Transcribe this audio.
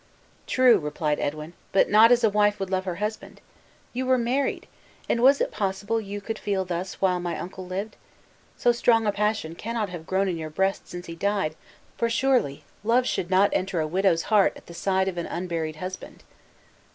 "True," replied Edwin; "but not as a wife would love her husband! You were married. And was it possible you could feel thus when my uncle lived? So strong a passion cannot have grown in your breast since he died; for surely, love should not enter a widow's heart at the side of an unburied husband!"